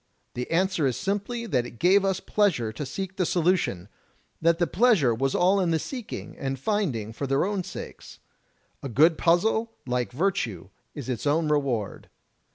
The answer is simply that it gave us pleasure to seek the solution — that the pleasure was all in the seeking and finding for their own sakes. A good puzzle, like virtue, is its own reward.